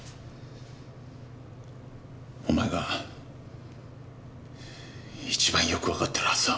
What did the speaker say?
お前が一番よくわかってるはずだ。